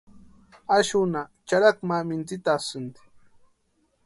Axunha charhaku ma mintsitasïnti.